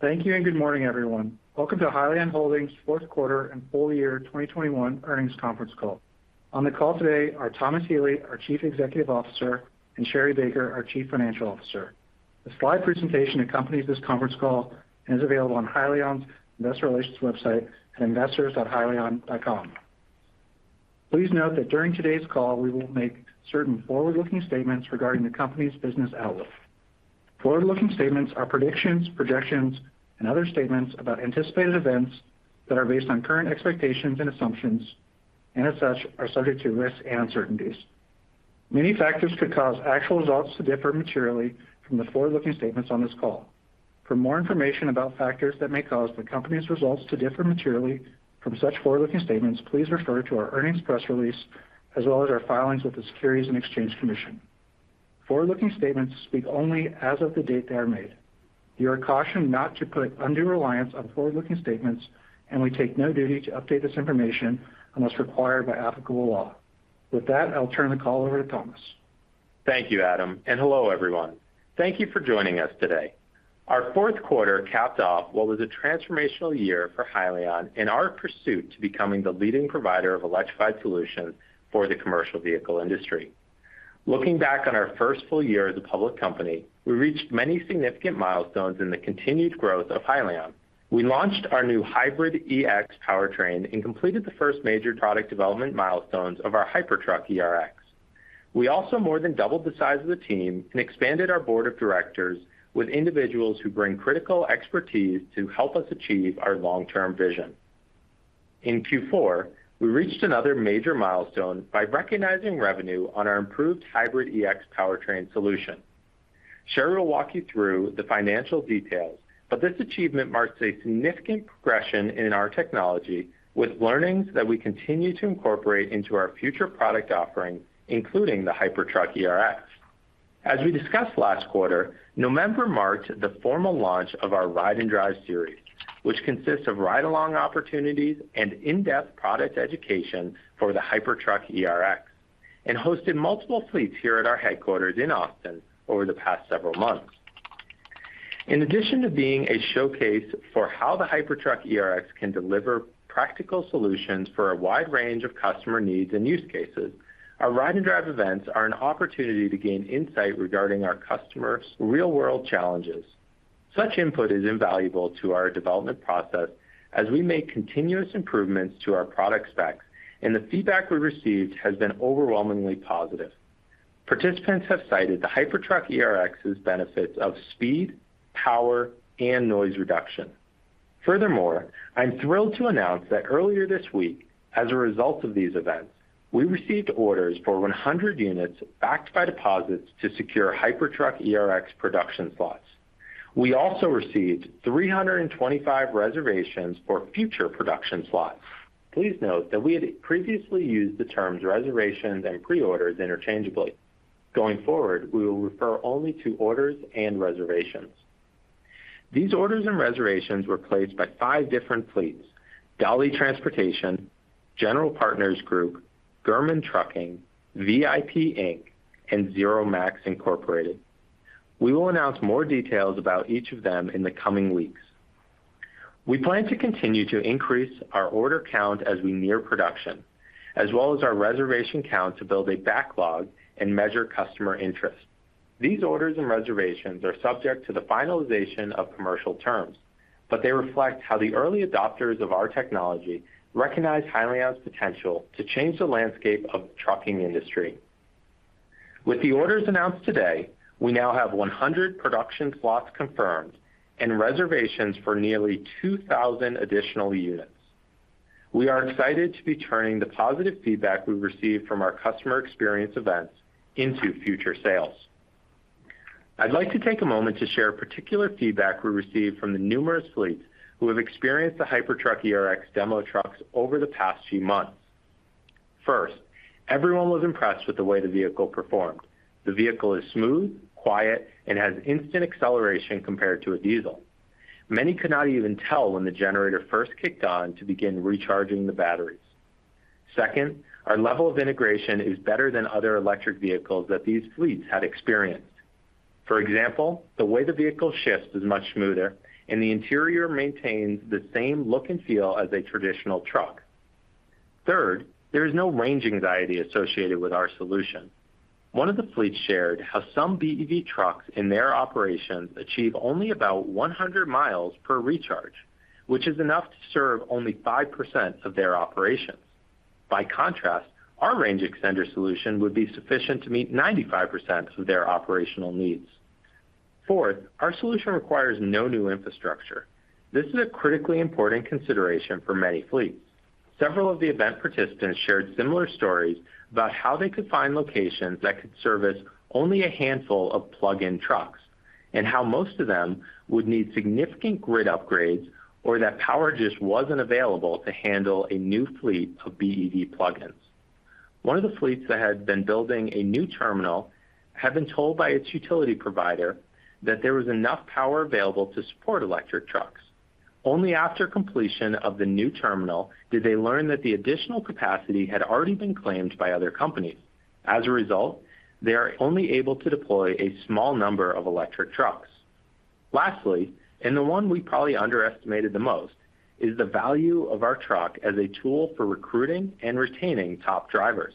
Thank you and good morning, everyone. Welcome to Hyliion Holdings fourth quarter and full year 2021 earnings conference call. On the call today are Thomas Healy, our Chief Executive Officer, and Sherri Baker, our Chief Financial Officer. The slide presentation that accompanies this conference call is available on Hyliion's investor relations website at investors.hyliion.com. Please note that during today's call, we will make certain forward-looking statements regarding the company's business outlook. Forward-looking statements are predictions, projections, and other statements about anticipated events that are based on current expectations and assumptions, and as such, are subject to risks and uncertainties. Many factors could cause actual results to differ materially from the forward-looking statements on this call. For more information about factors that may cause the company's results to differ materially from such forward-looking statements, please refer to our earnings press release, as well as our filings with the Securities and Exchange Commission. Forward-looking statements speak only as of the date they are made. You are cautioned not to put undue reliance on forward-looking statements, and we take no duty to update this information unless required by applicable law. With that, I'll turn the call over to Thomas. Thank you, Adam, and hello, everyone. Thank you for joining us today. Our fourth quarter capped off what was a transformational year for Hyliion in our pursuit to becoming the leading provider of electrified solutions for the commercial vehicle industry. Looking back on our first full year as a public company, we reached many significant milestones in the continued growth of Hyliion. We launched our new Hybrid eX powertrain and completed the first major product development milestones of our Hypertruck ERX. We also more than doubled the size of the team and expanded our board of directors with individuals who bring critical expertise to help us achieve our long-term vision. In Q4, we reached another major milestone by recognizing revenue on our improved Hybrid eX powertrain solution. Sherri will walk you through the financial details, but this achievement marks a significant progression in our technology with learnings that we continue to incorporate into our future product offering, including the Hypertruck ERX. As we discussed last quarter, November marked the formal launch of our Ride and Drive series, which consists of ride-along opportunities and in-depth product education for the Hypertruck ERX, and hosted multiple fleets here at our headquarters in Austin over the past several months. In addition to being a showcase for how the Hypertruck ERX can deliver practical solutions for a wide range of customer needs and use cases, our Ride and Drive events are an opportunity to gain insight regarding our customers' real-world challenges. Such input is invaluable to our development process as we make continuous improvements to our product specs, and the feedback we received has been overwhelmingly positive. Participants have cited the Hypertruck ERX's benefits of speed, power, and noise reduction. Furthermore, I'm thrilled to announce that earlier this week, as a result of these events, we received orders for 100 units backed by deposits to secure Hypertruck ERX production slots. We also received 325 reservations for future production slots. Please note that we had previously used the terms reservations and pre-orders interchangeably. Going forward, we will refer only to orders and reservations. These orders and reservations were placed by 5 different fleets, Dolly Transportation, General Partners Group, German Trucking, VIP Inc, and Zero Max Incorporated. We will announce more details about each of them in the coming weeks. We plan to continue to increase our order count as we near production, as well as our reservation count to build a backlog and measure customer interest. These orders and reservations are subject to the finalization of commercial terms, but they reflect how the early adopters of our technology recognize Hyliion's potential to change the landscape of the trucking industry. With the orders announced today, we now have 100 production slots confirmed and reservations for nearly 2,000 additional units. We are excited to be turning the positive feedback we've received from our customer experience events into future sales. I'd like to take a moment to share particular feedback we received from the numerous fleets who have experienced the Hypertruck ERX demo trucks over the past few months. First, everyone was impressed with the way the vehicle performed. The vehicle is smooth, quiet, and has instant acceleration compared to a diesel. Many could not even tell when the generator first kicked on to begin recharging the batteries. Second, our level of integration is better than other electric vehicles that these fleets had experienced. For example, the way the vehicle shifts is much smoother, and the interior maintains the same look and feel as a traditional truck. Third, there is no range anxiety associated with our solution. One of the fleets shared how some BEV trucks in their operations achieve only about 100 miles per recharge, which is enough to serve only 5% of their operations. By contrast, our range extender solution would be sufficient to meet 95% of their operational needs. Fourth, our solution requires no new infrastructure. This is a critically important consideration for many fleets. Several of the event participants shared similar stories about how they could find locations that could service only a handful of plug-in trucks, and how most of them would need significant grid upgrades or that power just wasn't available to handle a new fleet of BEV plug-ins. One of the fleets that had been building a new terminal had been told by its utility provider that there was enough power available to support electric trucks. Only after completion of the new terminal did they learn that the additional capacity had already been claimed by other companies. As a result, they are only able to deploy a small number of electric trucks. Lastly, and the one we probably underestimated the most, is the value of our truck as a tool for recruiting and retaining top drivers.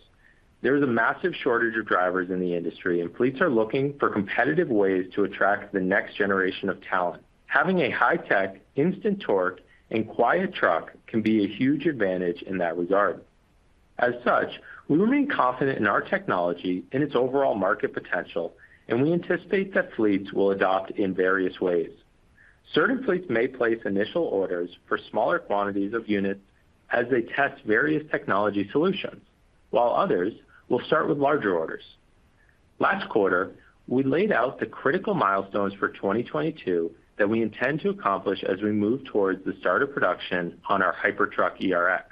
There is a massive shortage of drivers in the industry, and fleets are looking for competitive ways to attract the next generation of talent. Having a high-tech, instant torque, and quiet truck can be a huge advantage in that regard. As such, we remain confident in our technology and its overall market potential, and we anticipate that fleets will adopt in various ways. Certain fleets may place initial orders for smaller quantities of units as they test various technology solutions, while others will start with larger orders. Last quarter, we laid out the critical milestones for 2022 that we intend to accomplish as we move towards the start of production on our Hypertruck ERX.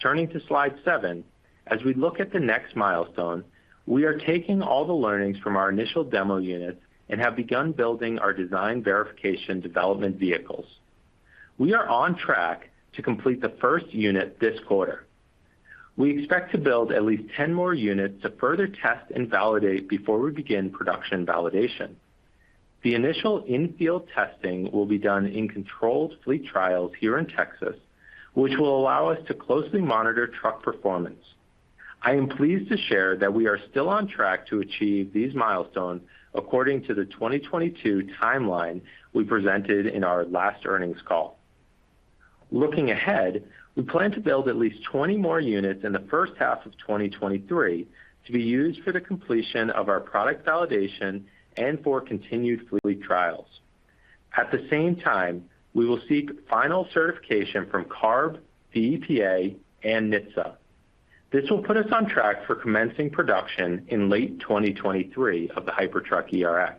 Turning to slide 7, as we look at the next milestone, we are taking all the learnings from our initial demo units and have begun building our design verification development vehicles. We are on track to complete the first unit this quarter. We expect to build at least 10 more units to further test and validate before we begin production validation. The initial in-field testing will be done in controlled fleet trials here in Texas, which will allow us to closely monitor truck performance. I am pleased to share that we are still on track to achieve these milestones according to the 2022 timeline we presented in our last earnings call. Looking ahead, we plan to build at least 20 more units in the first half of 2023 to be used for the completion of our product validation and for continued fleet trials. At the same time, we will seek final certification from CARB, the EPA, and NHTSA. This will put us on track for commencing production in late 2023 of the Hypertruck ERX.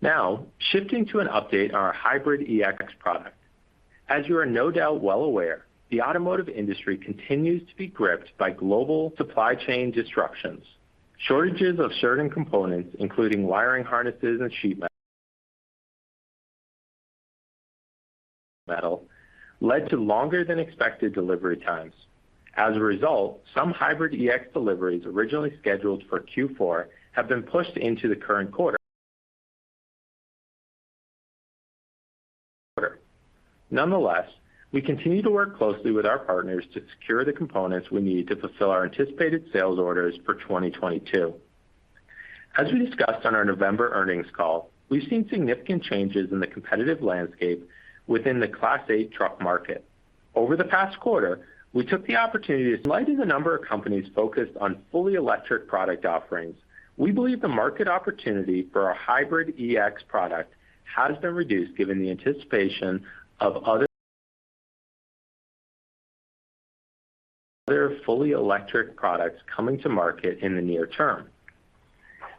Now, shifting to an update on our Hybrid eX product. As you are no doubt well aware, the automotive industry continues to be gripped by global supply chain disruptions. Shortages of certain components, including wiring harnesses and sheet metal, led to longer than expected delivery times. As a result, some Hybrid eX deliveries originally scheduled for Q4 have been pushed into the current quarter. Nonetheless, we continue to work closely with our partners to secure the components we need to fulfill our anticipated sales orders for 2022. As we discussed on our November earnings call, we've seen significant changes in the competitive landscape within the Class 8 truck market. Over the past quarter, we took the opportunity to. In light of the number of companies focused on fully electric product offerings, we believe the market opportunity for our Hybrid eX product has been reduced given the anticipation of other fully electric products coming to market in the near term.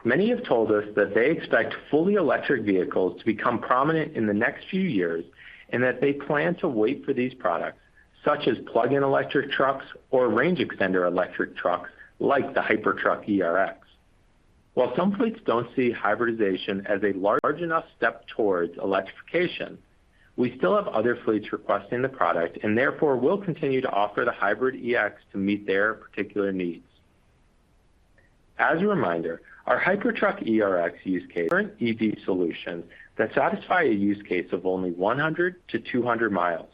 Many have told us that they expect fully electric vehicles to become prominent in the next few years and that they plan to wait for these products, such as plug-in electric trucks or range extender electric trucks like the Hypertruck ERX. While some fleets don't see hybridization as a large enough step towards electrification, we still have other fleets requesting the product, and therefore will continue to offer the Hybrid eX to meet their particular needs. As a reminder, our Hypertruck ERX use case current EV solution that satisfy a use case of only 100-200 miles.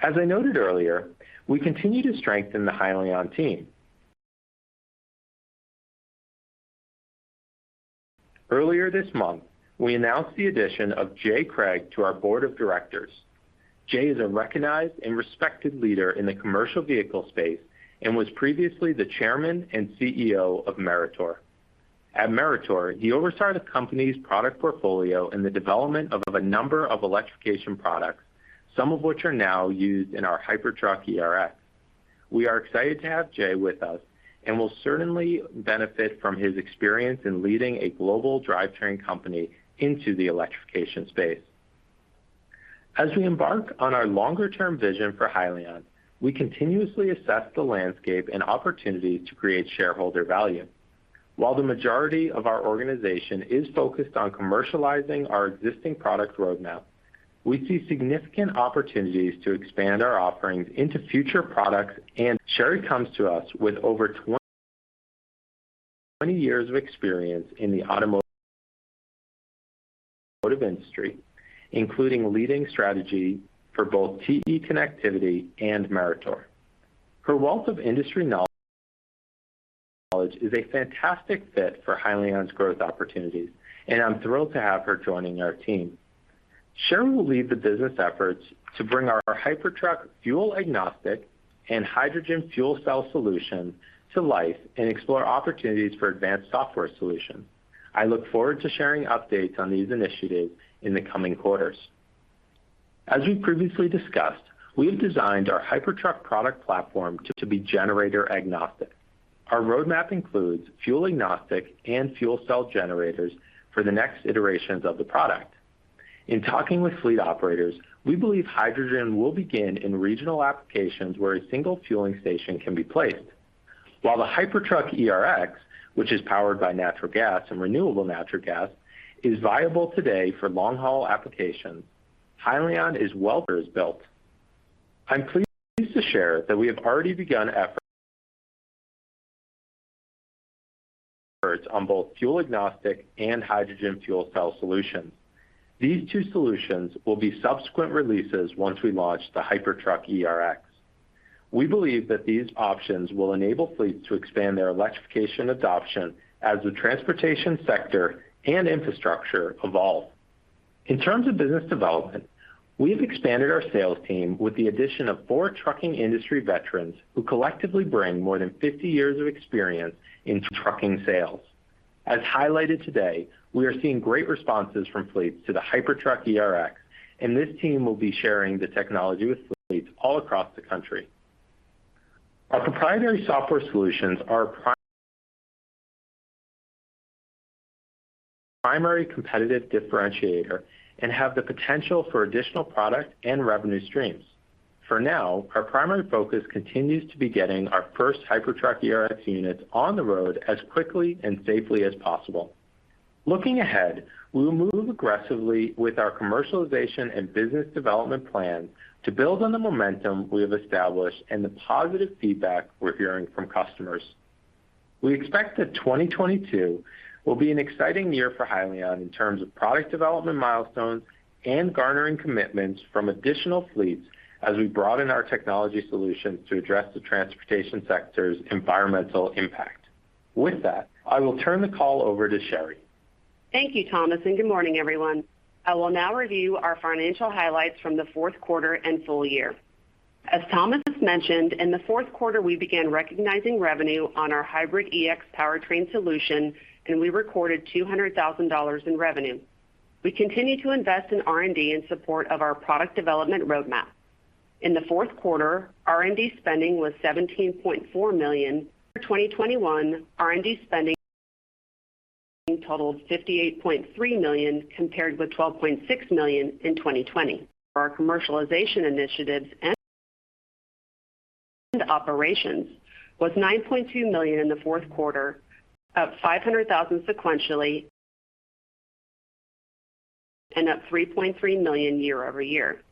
As I noted earlier, we continue to strengthen the Hyliion team. Earlier this month, we announced the addition of Jay Craig to our board of directors. Jay is a recognized and respected leader in the commercial vehicle space and was previously the chairman and CEO of Meritor. At Meritor, he oversaw the company's product portfolio and the development of a number of electrification products, some of which are now used in our Hypertruck ERX. We are excited to have Jay with us and will certainly benefit from his experience in leading a global drivetrain company into the electrification space. As we embark on our longer-term vision for Hyliion, we continuously assess the landscape and opportunities to create shareholder value. While the majority of our organization is focused on commercializing our existing product roadmap, we see significant opportunities to expand our offerings into future products and Cheri comes to us with over 20 years of experience in the automotive industry, including leading strategy for both TE Connectivity and Meritor. Her wealth of industry knowledge is a fantastic fit for Hyliion's growth opportunities, and I'm thrilled to have her joining our team. Cheri will lead the business efforts to bring our Hypertruck fuel agnostic and hydrogen fuel cell solution to life and explore opportunities for advanced software solutions. I look forward to sharing updates on these initiatives in the coming quarters. As we previously discussed, we have designed our Hypertruck product platform to be generator agnostic. Our roadmap includes fuel agnostic and fuel cell generators for the next iterations of the product. In talking with fleet operators, we believe hydrogen will begin in regional applications where a single fueling station can be placed. While the Hypertruck ERX, which is powered by natural gas and renewable natural gas, is viable today for long-haul applications, Hyliion is well-positioned. I'm pleased to share that we have already begun efforts on both fuel agnostic and hydrogen fuel cell solutions. These two solutions will be subsequent releases once we launch the Hypertruck ERX. We believe that these options will enable fleets to expand their electrification adoption as the transportation sector and infrastructure evolve. In terms of business development, we have expanded our sales team with the addition of four trucking industry veterans who collectively bring more than 50 years of experience in trucking sales. As highlighted today, we are seeing great responses from fleets to the Hypertruck ERX, and this team will be sharing the technology with fleets all across the country. Our proprietary software solutions are a primary competitive differentiator and have the potential for additional product and revenue streams. For now, our primary focus continues to be getting our first Hypertruck ERX units on the road as quickly and safely as possible. Looking ahead, we will move aggressively with our commercialization and business development plan to build on the momentum we have established and the positive feedback we're hearing from customers. We expect that 2022 will be an exciting year for Hyliion in terms of product development milestones and garnering commitments from additional fleets as we broaden our technology solutions to address the transportation sector's environmental impact. With that, I will turn the call over to Sherri. Thank you, Thomas, and good morning, everyone. I will now review our financial highlights from the fourth quarter and full year. As Thomas has mentioned, in the fourth quarter, we began recognizing revenue on our Hybrid eX powertrain solution, and we recorded $200,000 in revenue. We continue to invest in R&D in support of our product development roadmap. In the fourth quarter, R&D spending was $17.4 million. For 2021, R&D spending totaled $58.3 million, compared with $12.6 million in 2020. For our commercialization initiatives and operations was $9.2 million in the fourth quarter, up $500,000 sequentially and up $3.3 million year-over-year.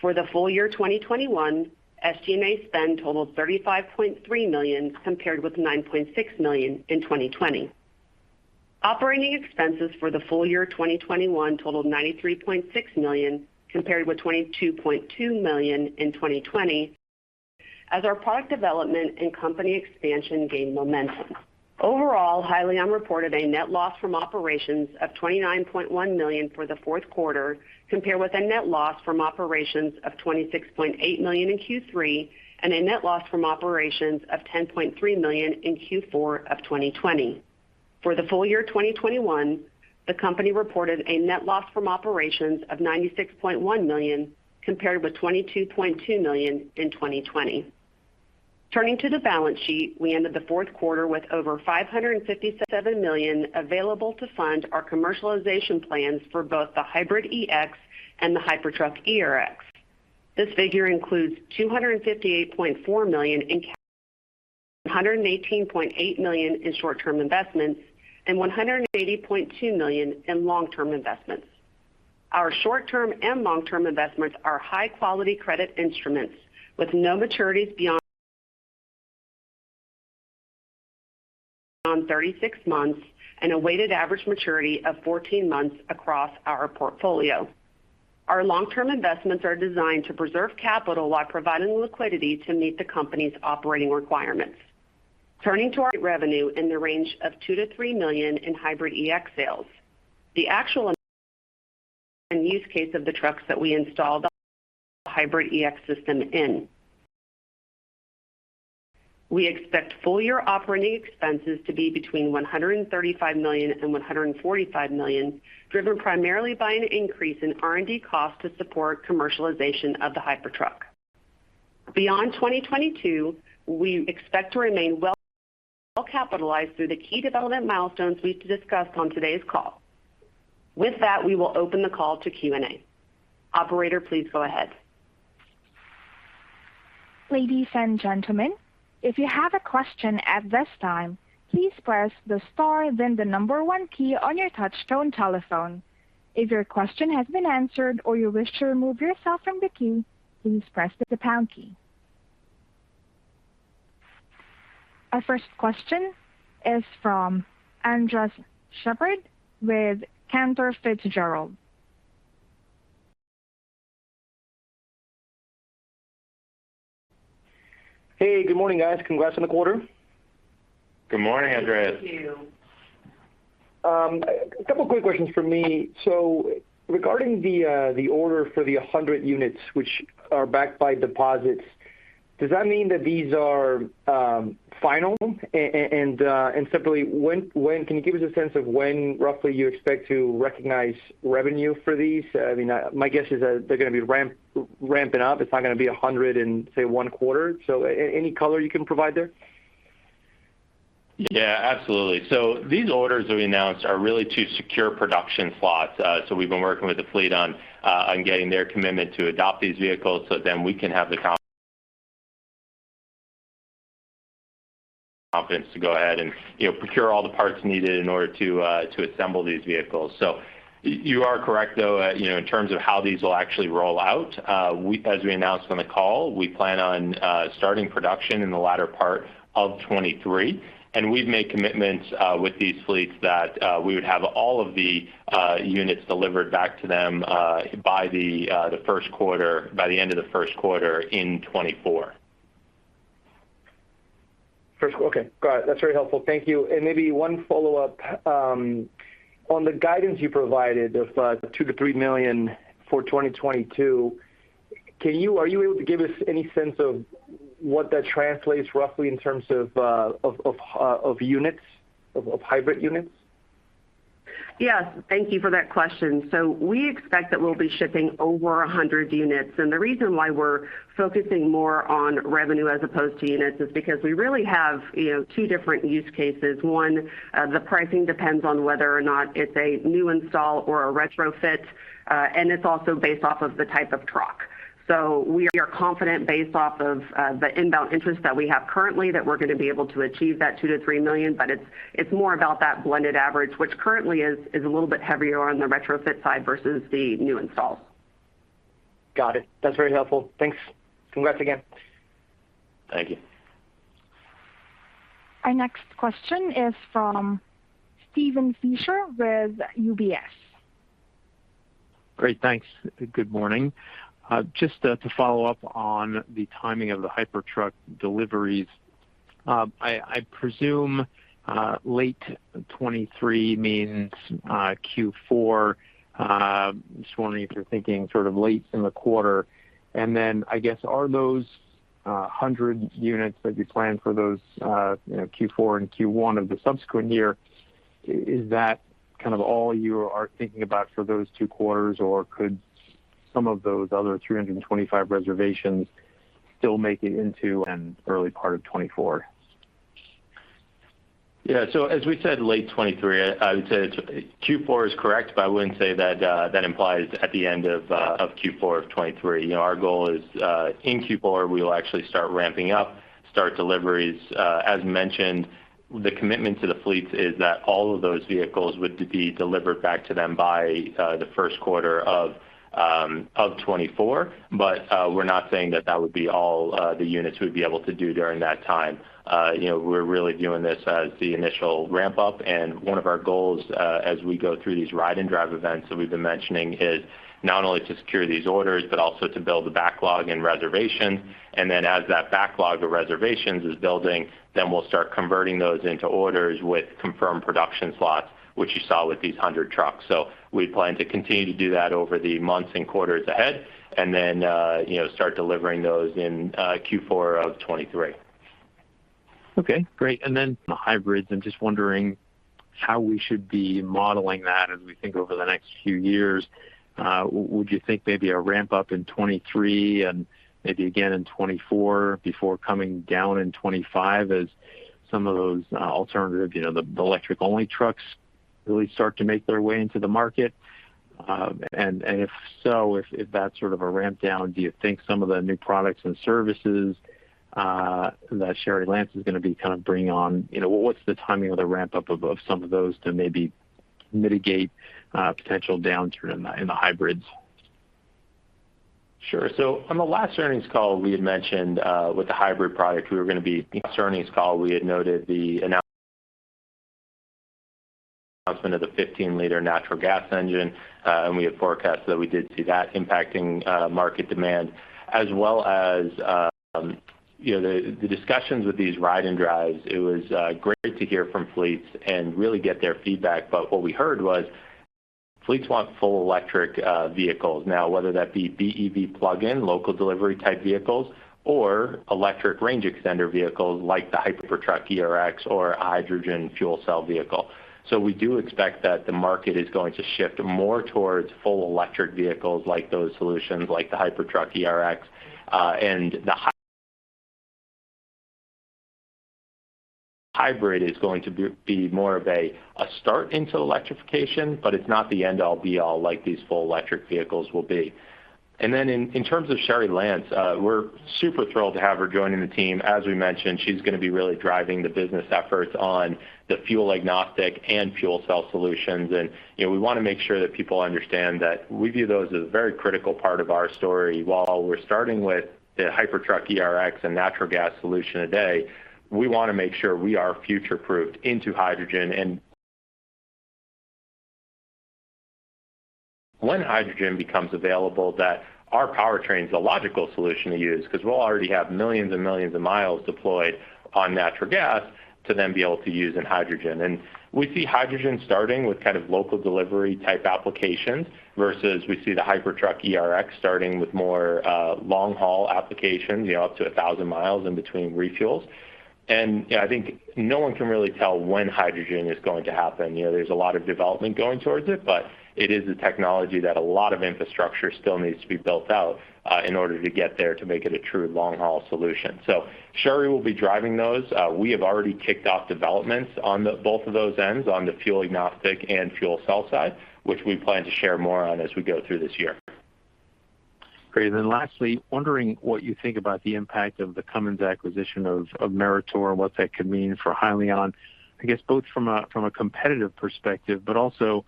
For the full year 2021, SG&A spend totaled $35.3 million, compared with $9.6 million in 2020. Operating expenses for the full year 2021 totaled $93.6 million, compared with $22.2 million in 2020 as our product development and company expansion gained momentum. Overall, Hyliion reported a net loss from operations of $29.1 million for the fourth quarter, compared with a net loss from operations of $26.8 million in Q3, and a net loss from operations of $10.3 million in Q4 of 2020. For the full year 2021, the company reported a net loss from operations of $96.1 million, compared with $22.2 million in 2020. Turning to the balance sheet, we ended the fourth quarter with over $557 million available to fund our commercialization plans for both the Hybrid eX and the Hypertruck ERX. This figure includes $258.4 million in cash, $118.8 million in short-term investments, and $180.2 million in long-term investments. Our short-term and long-term investments are high-quality credit instruments with no maturities beyond 36 months and a weighted average maturity of 14 months across our portfolio. Our long-term investments are designed to preserve capital while providing liquidity to meet the company's operating requirements. Turning to our revenue in the range of $2 million-$3 million in Hybrid eX sales, the actual end use case of the trucks that we installed our Hybrid eX system in. We expect full year operating expenses to be between $135 million and $145 million, driven primarily by an increase in R&D costs to support commercialization of the Hypertruck. Beyond 2022, we expect to remain well-capitalized through the key development milestones we've discussed on today's call. With that, we will open the call to Q&A. Operator, please go ahead. Ladies and gentlemen, if you have a question at this time, please press the star, then the 1 key on your touchtone telephone. If your question has been answered or you wish to remove yourself from the queue, please press the pound key. Our first question is from Andres Sheppard with Cantor Fitzgerald. Hey, good morning, guys. Congrats on the quarter. Good morning, Andres. Thank you. A couple of quick questions from me. Regarding the order for the 100 units which are backed by deposits, does that mean that these are final? And separately, when can you give us a sense of when roughly you expect to recognize revenue for these? I mean, my guess is that they're gonna be ramping up. It's not gonna be 100 in, say, one quarter. Any color you can provide there? Yeah, absolutely. These orders that we announced are really to secure production slots. We've been working with the fleet on getting their commitment to adopt these vehicles so then we can have the confidence to go ahead and, you know, procure all the parts needed in order to to assemble these vehicles. You are correct, though, you know, in terms of how these will actually roll out. As we announced on the call, we plan on starting production in the latter part of 2023, and we've made commitments with these fleets that we would have all of the units delivered back to them by the end of the first quarter in 2024. Okay, got it. That's very helpful. Thank you. Maybe one follow-up on the guidance you provided of $2 million-$3 million for 2022, are you able to give us any sense of what that translates roughly in terms of units of hybrid units? Yes. Thank you for that question. We expect that we'll be shipping over 100 units. The reason why we're focusing more on revenue as opposed to units is because we really have, you know, two different use cases. One, the pricing depends on whether or not it's a new install or a retrofit, and it's also based off of the type of truck. We are confident based off of, the inbound interest that we have currently that we're gonna be able to achieve that $2 million-$3 million, but it's more about that blended average, which currently is a little bit heavier on the retrofit side versus the new installs. Got it. That's very helpful. Thanks. Congrats again. Thank you. Our next question is from Steven Fisher with UBS. Great. Thanks. Good morning. Just to follow up on the timing of the Hypertruck deliveries. I presume late 2023 means Q4. Just wondering if you're thinking sort of late in the quarter. I guess, are those 100 units that you plan for those, you know, Q4 and Q1 of the subsequent year, is that kind of all you are thinking about for those two quarters, or could some of those other 325 reservations still make it into an early part of 2024? Yeah. As we said, late 2023, I would say Q4 is correct, but I wouldn't say that that implies at the end of Q4 of 2023. You know, our goal is in Q4, we will actually start ramping up, start deliveries. As mentioned, the commitment to the fleets is that all of those vehicles would be delivered back to them by the first quarter of 2024, but we're not saying that that would be all the units we'd be able to do during that time. You know, we're really viewing this as the initial ramp-up, and one of our goals as we go through these ride and drive events that we've been mentioning is not only to secure these orders, but also to build the backlog and reservations. As that backlog of reservations is building, then we'll start converting those into orders with confirmed production slots, which you saw with these 100 trucks. We plan to continue to do that over the months and quarters ahead and then, you know, start delivering those in Q4 of 2023. Okay, great. The hybrids, I'm just wondering how we should be modeling that as we think over the next few years. Would you think maybe a ramp-up in 2023 and maybe again in 2024 before coming down in 2025 as some of those, alternative, you know, the electric-only trucks really start to make their way into the market? If so, if that's sort of a ramp down, do you think some of the new products and services that Cheri Lantz is gonna be kind of bringing on, you know, what's the timing of the ramp-up of some of those to maybe mitigate potential downturn in the hybrids? Sure. On the last earnings call, we had mentioned, with the hybrid product, we had noted the announcement of the 15-liter natural gas engine, and we had forecasted that we did see that impacting market demand as well as you know the discussions with these ride and drives. It was great to hear from fleets and really get their feedback, but what we heard was fleets want full electric vehicles. Now, whether that be BEV plug-in, local delivery type vehicles, or electric range extender vehicles like the Hypertruck ERX or hydrogen fuel cell vehicle. We do expect that the market is going to shift more towards full electric vehicles like those solutions, like the Hypertruck ERX. The hybrid is going to be more of a start into electrification, but it's not the end-all be-all like these full electric vehicles will be. Then in terms of Cheri Lantz, we're super thrilled to have her joining the team. As we mentioned, she's gonna be really driving the business efforts on the fuel-agnostic and fuel cell solutions. You know, we wanna make sure that people understand that we view those as a very critical part of our story. While we're starting with the Hypertruck ERX and natural gas solution today, we wanna make sure we are future-proofed into hydrogen. When hydrogen becomes available that our powertrain is a logical solution to use because we'll already have millions and millions of miles deployed on natural gas to then be able to use in hydrogen. We see hydrogen starting with kind of local delivery type applications versus we see the Hypertruck ERX starting with more long-haul applications, you know, up to 1,000 miles in between refuels. You know, I think no one can really tell when hydrogen is going to happen. You know, there's a lot of development going towards it, but it is a technology that a lot of infrastructure still needs to be built out in order to get there to make it a true long-haul solution. Sherri will be driving those. We have already kicked off developments on both of those ends, on the fuel agnostic and fuel cell side, which we plan to share more on as we go through this year. Great. Lastly, wondering what you think about the impact of the Cummins acquisition of Meritor and what that could mean for Hyliion, I guess, both from a competitive perspective, but also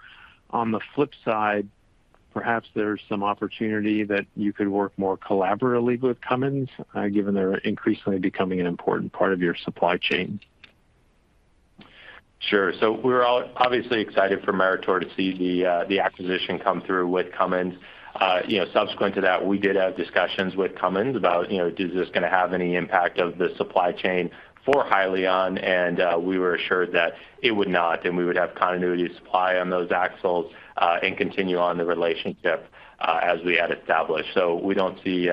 on the flip side, perhaps there's some opportunity that you could work more collaboratively with Cummins, given they're increasingly becoming an important part of your supply chain. Sure. We're all obviously excited for Meritor to see the acquisition come through with Cummins. You know, subsequent to that, we did have discussions with Cummins about, you know, is this gonna have any impact on the supply chain for Hyliion, and we were assured that it would not, and we would have continuity of supply on those axles, and continue on the relationship as we had established. We don't see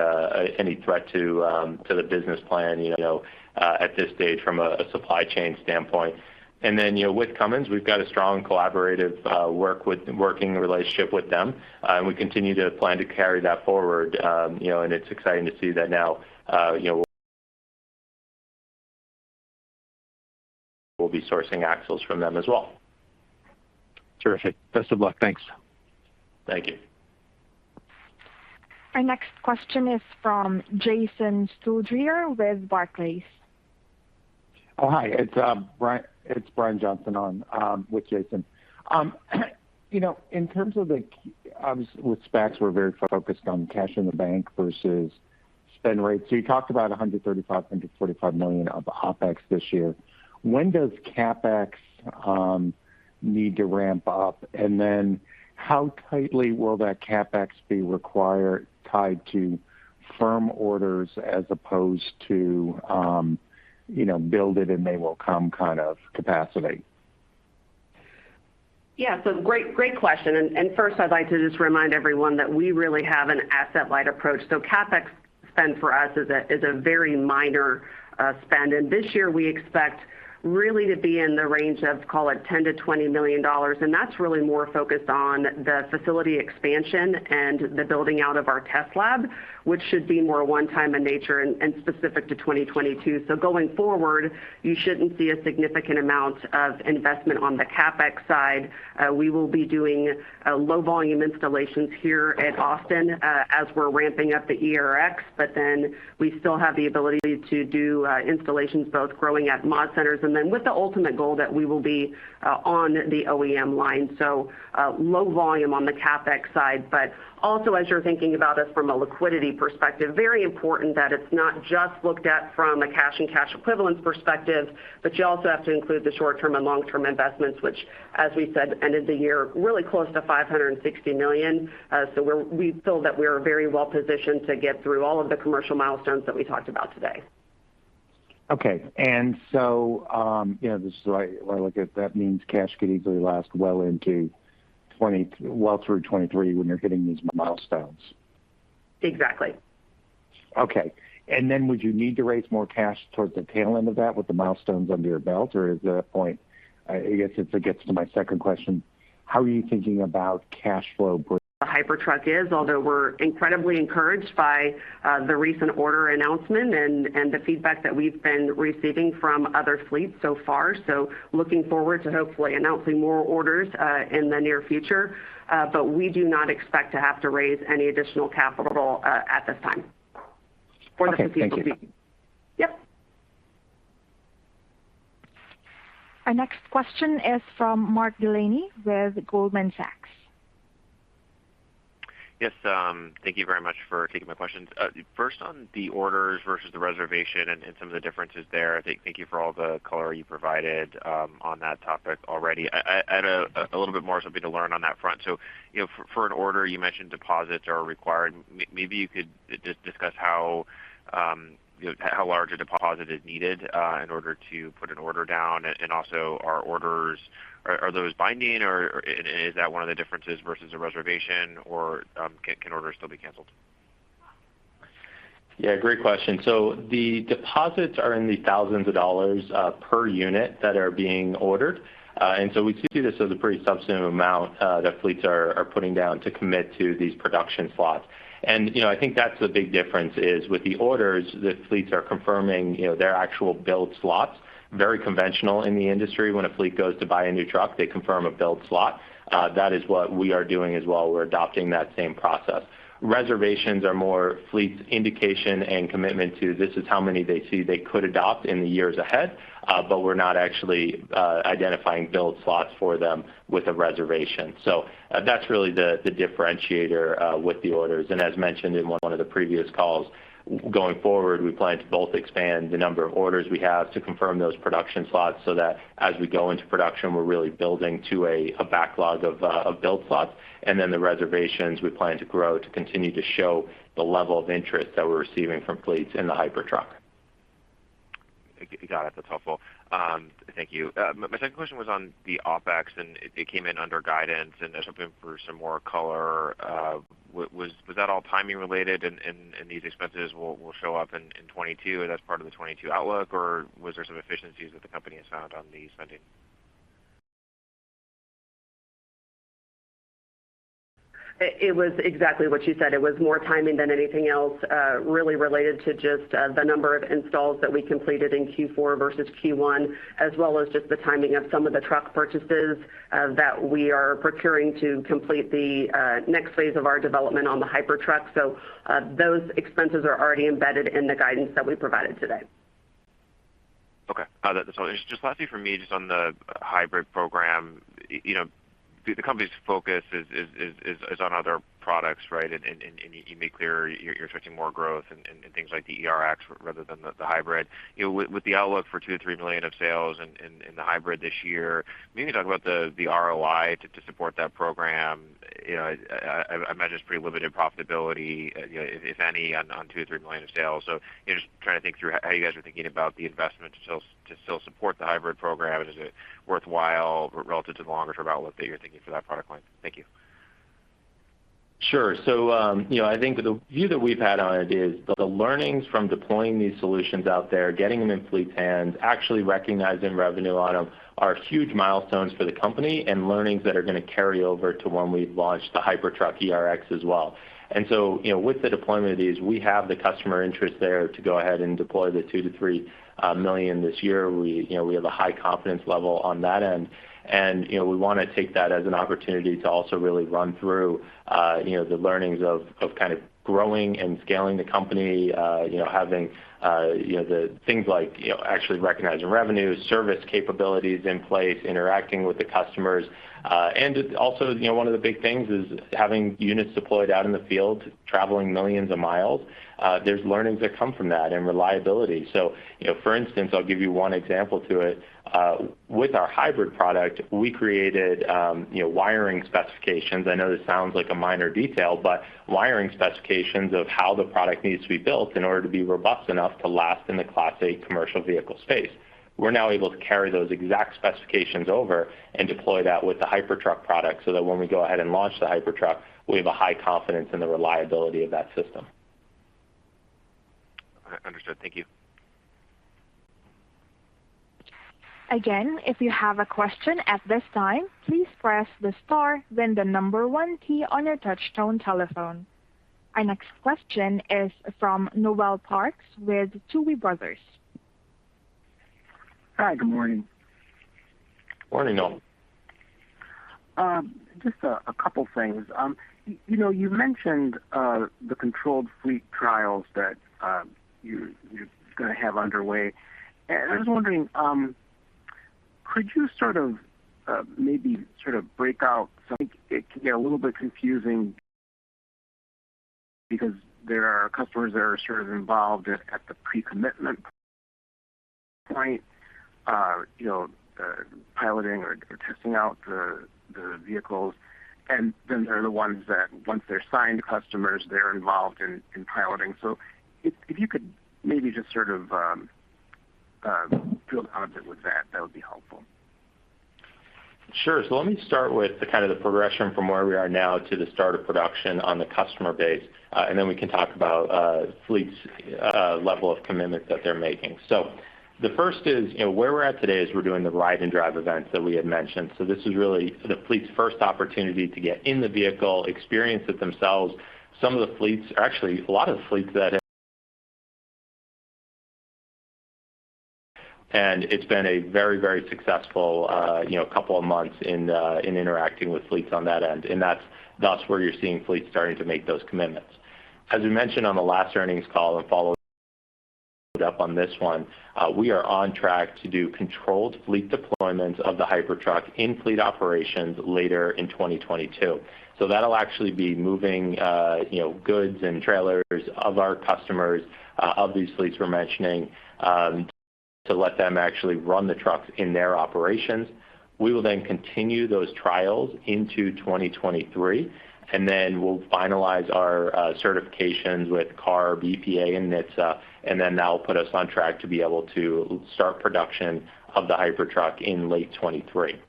any threat to the business plan, you know, at this stage from a supply chain standpoint. Then, you know, with Cummins, we've got a strong collaborative working relationship with them, and we continue to plan to carry that forward. You know, it's exciting to see that now, you know, we'll be sourcing axles from them as well. Terrific. Best of luck. Thanks. Thank you. Our next question is from Jason Seidl with Barclays Oh, hi, it's Brian Johnson on with Jason. You know, in terms of the obvious with SPACs, we're very focused on cash in the bank versus spend rates. You talked about $135 million-$145 million of OpEx this year. When does CapEx need to ramp up? How tightly will that CapEx be required tied to firm orders as opposed to, you know, build it and they will come kind of capacity? Yeah. Great, great question. First I'd like to just remind everyone that we really have an asset light approach. CapEx spend for us is a very minor spend. This year we expect really to be in the range of, call it $10 million-$20 million. That's really more focused on the facility expansion and the building out of our test lab, which should be more one time in nature and specific to 2022. Going forward, you shouldn't see a significant amount of investment on the CapEx side. We will be doing low volume installations here at Austin as we're ramping up the ERX, but then we still have the ability to do installations both growing at mod centers and then with the ultimate goal that we will be on the OEM line. Low volume on the CapEx side, but also as you're thinking about us from a liquidity perspective, very important that it's not just looked at from a cash and cash equivalent perspective, but you also have to include the short-term and long-term investments, which as we said, ended the year really close to $560 million. We feel that we are very well positioned to get through all of the commercial milestones that we talked about today. Okay. You know, this is why when I look at that means cash could easily last well into 2020, well through 2023 when you're hitting these milestones. Exactly. Okay. Would you need to raise more cash towards the tail end of that with the milestones under your belt? Or is that a point, I guess it gets to my second question, how are you thinking about cash flow br- The Hypertruck is, although we're incredibly encouraged by the recent order announcement and the feedback that we've been receiving from other fleets so far, so looking forward to hopefully announcing more orders in the near future. We do not expect to have to raise any additional capital at this time for the P2B. Okay. Thank you. Yep. Our next question is from Mark Delaney with Goldman Sachs. Yes. Thank you very much for taking my questions. First on the orders versus the reservation and some of the differences there. Thank you for all the color you provided on that topic already. I had a little bit more to learn on that front. You know, for an order you mentioned deposits are required. Maybe you could discuss how, you know, how large a deposit is needed in order to put an order down. Also, are orders binding or is that one of the differences versus a reservation, or can orders still be canceled? Yeah, great question. The deposits are $ thousands per unit that are being ordered. we see this as a pretty substantive amount that fleets are putting down to commit to these production slots. You know, I think that's the big difference is with the orders, the fleets are confirming, you know, their actual build slots, very conventional in the industry. When a fleet goes to buy a new truck, they confirm a build slot. That is what we are doing as well. We're adopting that same process. Reservations are more fleet's indication and commitment to this is how many they see they could adopt in the years ahead, but we're not actually identifying build slots for them with a reservation. That's really the differentiator with the orders. As mentioned in one of the previous calls, going forward, we plan to both expand the number of orders we have to confirm those production slots so that as we go into production, we're really building to a backlog of build slots. Then the reservations we plan to grow to continue to show the level of interest that we're receiving from fleets in the Hypertruck. Got it. That's helpful. Thank you. My second question was on the OpEx, and it came in under guidance and just looking for some more color. Was that all timing related? And these expenses will show up in 2022, and that's part of the 2022 outlook, or was there some efficiencies that the company has found on the spending? It was exactly what you said. It was more timing than anything else, really related to just the number of installs that we completed in Q4 versus Q1, as well as just the timing of some of the truck purchases that we are procuring to complete the next phase of our development on the Hypertruck. Those expenses are already embedded in the guidance that we provided today. Okay. Just lastly from me, just on the hybrid program, you know, the company's focus is on other products, right? You made clear you're expecting more growth in things like the ERX rather than the hybrid. You know, with the outlook for $2 million-$3 million of sales in the hybrid this year, maybe talk about the ROI to support that program. You know, I imagine it's pretty limited profitability, you know, if any on $2 million-$3 million of sales. You know, just trying to think through how you guys are thinking about the investment to still support the hybrid program. Is it worthwhile relative to the longer-term outlook that you're thinking for that product line? Thank you. Sure. You know, I think the view that we've had on it is the learnings from deploying these solutions out there, getting them in fleet's hands, actually recognizing revenue on them are huge milestones for the company and learnings that are gonna carry over to when we launch the Hypertruck ERX as well. With the deployment of these, we have the customer interest there to go ahead and deploy the $2 million-$3 million this year. We have a high confidence level on that end. We wanna take that as an opportunity to also really run through you know, the learnings of kind of growing and scaling the company you know, having you know, the things like you know, actually recognizing revenue, service capabilities in place, interacting with the customers. you know, one of the big things is having units deployed out in the field, traveling millions of miles. There's learnings that come from that and reliability. you know, for instance, I'll give you one example to it. with our hybrid product, we created, you know, wiring specifications. I know this sounds like a minor detail, but wiring specifications of how the product needs to be built in order to be robust enough to last in the Class 8 commercial vehicle space. We're now able to carry those exact specifications over and deploy that with the Hypertruck product so that when we go ahead and launch the Hypertruck, we have a high confidence in the reliability of that system. Understood. Thank you. Our next question is from Noel Parks with Tuohy Brothers. Hi, good morning. Morning, Noel. Just a couple things. You know, you mentioned the controlled fleet trials that you gonna have underway. I was wondering, could you sort of maybe sort of break out some. It can get a little bit confusing because there are customers that are sort of involved at the pre-commitment point, you know, piloting or testing out the vehicles, and then there are the ones that once they're signed customers, they're involved in piloting. If you could maybe just sort of build on a bit with that would be helpful. Sure. Let me start with the kind of progression from where we are now to the start of production on the customer base, and then we can talk about fleet's level of commitment that they're making. The first is, you know, where we're at today is we're doing the ride and drive events that we had mentioned. This is really the fleet's first opportunity to get in the vehicle, experience it themselves. Some of the fleets, actually a lot of the fleets, and it's been a very, very successful, you know, couple of months in interacting with fleets on that end. That's where you're seeing fleets starting to make those commitments. As we mentioned on the last earnings call and follow up on this one, we are on track to do controlled fleet deployments of the Hypertruck in fleet operations later in 2022. That'll actually be moving, you know, goods and trailers of our customers, of these fleets we're mentioning, to let them actually run the trucks in their operations. We will then continue those trials into 2023, and then we'll finalize our certifications with CARB, EPA and NHTSA, and then that'll put us on track to be able to start production of the Hypertruck in late 2023.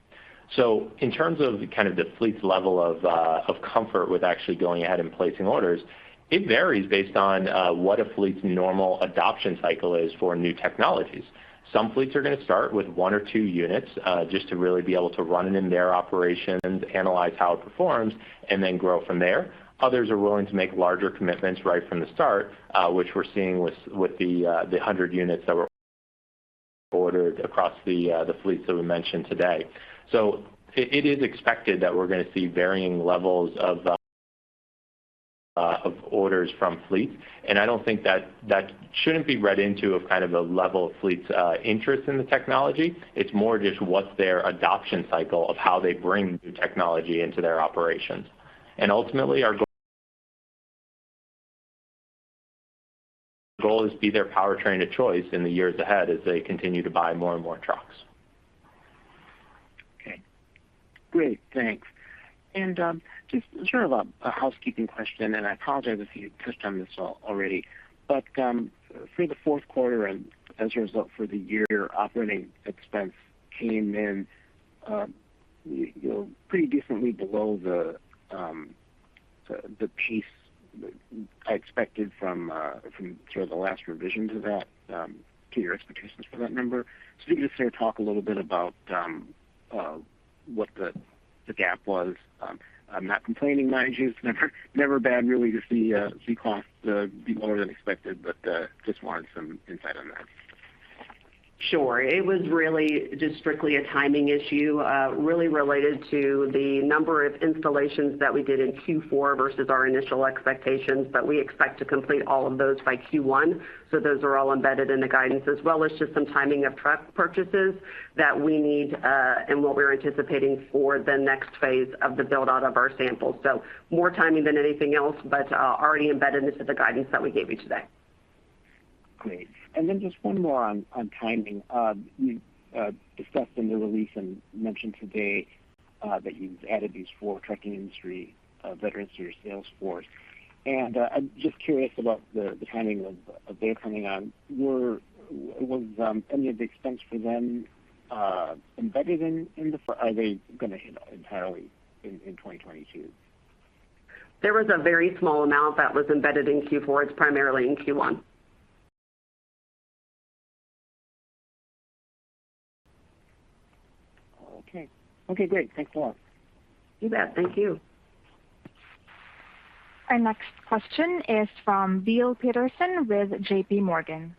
In terms of kind of the fleet's level of comfort with actually going ahead and placing orders, it varies based on what a fleet's normal adoption cycle is for new technologies. Some fleets are gonna start with one or two units, just to really be able to run it in their operations, analyze how it performs, and then grow from there. Others are willing to make larger commitments right from the start, which we're seeing with the 100 units that were ordered across the fleets that we mentioned today. It is expected that we're gonna see varying levels of orders from fleets, and I don't think that shouldn't be read into a kind of a level of fleets' interest in the technology. It's more just what's their adoption cycle of how they bring new technology into their operations. Ultimately our goal is to be their powertrain of choice in the years ahead as they continue to buy more and more trucks. Okay. Great. Thanks. Just sort of a housekeeping question, and I apologize if you touched on this already, but for the fourth quarter and as a result for the year, operating expense came in, you know, pretty decently below the pace I expected from sort of the last revision to that to your expectations for that number. Can you just sort of talk a little bit about what the gap was? I'm not complaining mind you, it's never bad really to see costs be lower than expected, but just wanted some insight on that. Sure. It was really just strictly a timing issue, really related to the number of installations that we did in Q4 versus our initial expectations, but we expect to complete all of those by Q1. Those are all embedded in the guidance as well as just some timing of truck purchases that we need, and what we're anticipating for the next phase of the build-out of our sample. More timing than anything else, but already embedded into the guidance that we gave you today. Great. Just one more on timing. You discussed in the release and mentioned today that you've added these four trucking industry veterans to your sales force. I'm just curious about the timing of their coming on. Was any of the expense for them embedded in the? Are they gonna hit entirely in 2022? There was a very small amount that was embedded in Q4. It's primarily in Q1. Okay, great. Thanks a lot. You bet. Thank you. Our next question is from Bill Peterson with J.P. Morgan.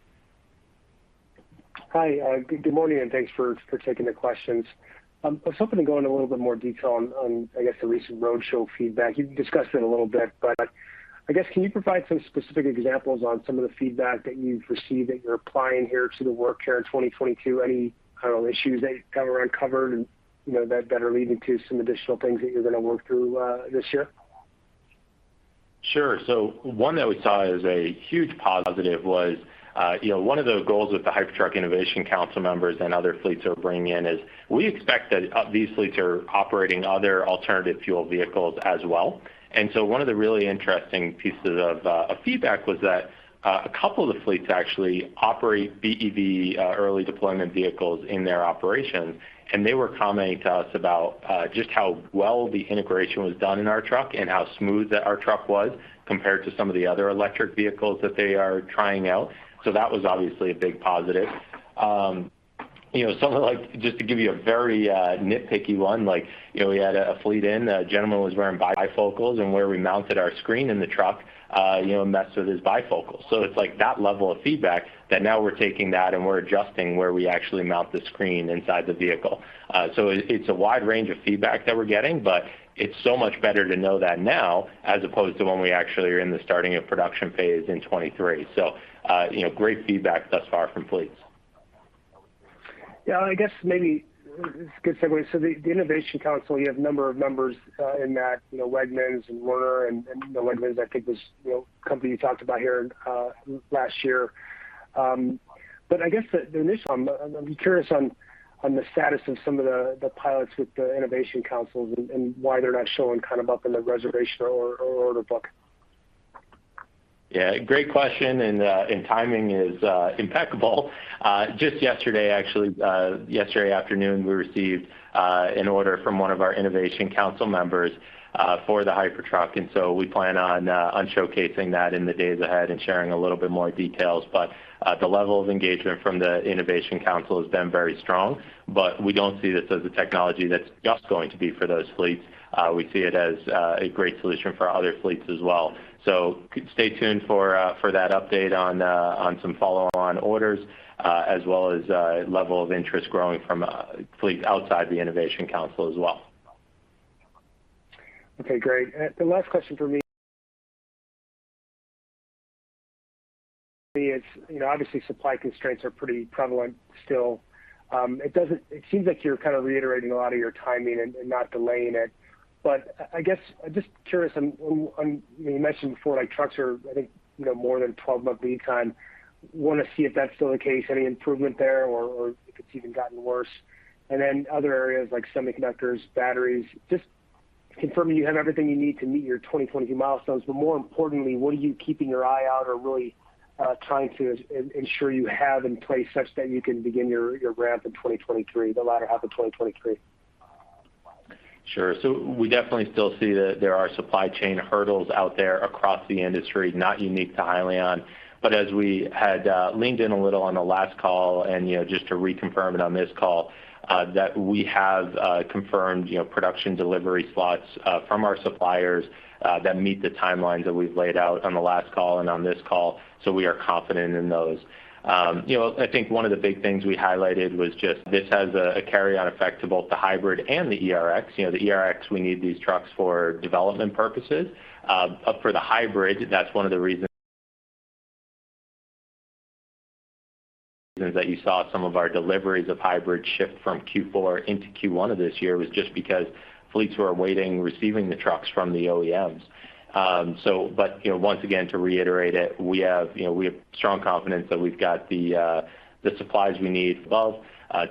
Hi, good morning, and thanks for taking the questions. I was hoping to go into a little bit more detail on, I guess, the recent roadshow feedback. You've discussed it a little bit, but I guess can you provide some specific examples on some of the feedback that you've received that you're applying here to the work here in 2022? Any, I don't know, issues that got uncovered and, you know, that are leading to some additional things that you're gonna work through this year? Sure. One that we saw as a huge positive was, you know, one of the goals with the Hypertruck Innovation Council members and other fleets are bringing in is we expect that these fleets are operating other alternative fuel vehicles as well. One of the really interesting pieces of feedback was that a couple of the fleets actually operate BEV early deployment vehicles in their operation. They were commenting to us about just how well the integration was done in our truck and how smooth our truck was compared to some of the other electric vehicles that they are trying out. That was obviously a big positive. You know, something like, just to give you a very nitpicky one, like, you know, we had a fleet in, a gentleman was wearing bifocals, and where we mounted our screen in the truck, you know, messed with his bifocals. It's like that level of feedback that now we're taking that, and we're adjusting where we actually mount the screen inside the vehicle. It's a wide range of feedback that we're getting, but it's so much better to know that now as opposed to when we actually are in the starting of production phase in 2023. You know, great feedback thus far from fleets. Yeah. I guess maybe this is a good segue. The Innovation Council, you have a number of members in that, you know, Wegmans and Werner and, you know, Wegmans I think was, you know, a company you talked about here last year. I guess I'm curious on the status of some of the pilots with the Innovation Councils and why they're not showing kind of up in the reservation or order book. Yeah, great question, timing is impeccable. Just yesterday actually, yesterday afternoon, we received an order from one of our Innovation Council members for the Hypertruck, and so we plan on showcasing that in the days ahead and sharing a little bit more details. The level of engagement from the Innovation Council has been very strong, but we don't see this as a technology that's just going to be for those fleets. We see it as a great solution for other fleets as well. Stay tuned for that update on some follow-on orders as well as level of interest growing from fleets outside the Innovation Council as well. Okay, great. The last question for me is, you know, obviously supply constraints are pretty prevalent still. It seems like you're kind of reiterating a lot of your timing and not delaying it. I guess just curious on, I mean, you mentioned before, like trucks are, I think, you know, more than 12-month lead time. Wanna see if that's still the case, any improvement there or if it's even gotten worse. Then other areas like semiconductors, batteries, just confirming you have everything you need to meet your 2022 milestones, but more importantly, what are you keeping your eye out or really trying to ensure you have in place such that you can begin your ramp in 2023, the latter half of 2023? Sure. We definitely still see that there are supply chain hurdles out there across the industry, not unique to Hyliion. As we had leaned in a little on the last call and, you know, just to reconfirm it on this call, that we have confirmed, you know, production delivery slots from our suppliers that meet the timelines that we've laid out on the last call and on this call, so we are confident in those. You know, I think one of the big things we highlighted was just this has a carry-on effect to both the hybrid and the ERX. You know, the ERX, we need these trucks for development purposes. For the hybrid, that's one of the reasons that you saw some of our deliveries of hybrid shift from Q4 into Q1 of this year was just because fleets were awaiting receiving the trucks from the OEMs. You know, once again, to reiterate it, we have, you know, we have strong confidence that we've got the the supplies we need above,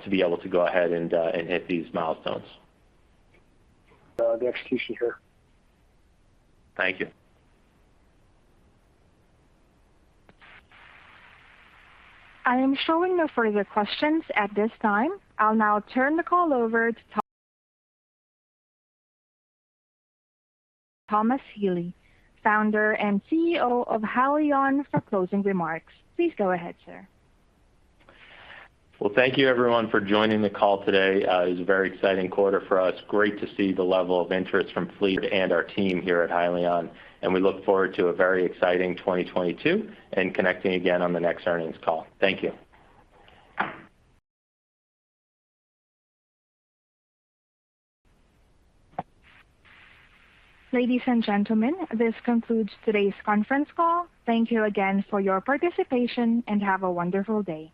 to be able to go ahead and hit these milestones. the execution here. Thank you. I am showing no further questions at this time. I'll now turn the call over to Thomas Healy, founder and CEO of Hyliion, for closing remarks. Please go ahead, sir. Well, thank you everyone for joining the call today. It was a very exciting quarter for us. Great to see the level of interest from fleet and our team here at Hyliion, and we look forward to a very exciting 2022 and connecting again on the next earnings call. Thank you. Ladies and gentlemen, this concludes today's conference call. Thank you again for your participation, and have a wonderful day.